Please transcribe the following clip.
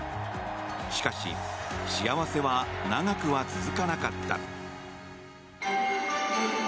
しかし、幸せは長くは続かなかった。